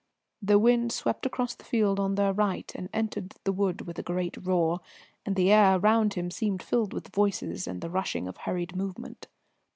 The wind swept across the field on their right and entered the wood beyond with a great roar, and the air round him seemed filled with voices and the rushing of hurried movement.